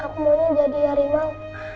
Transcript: aku maunya jadi harimau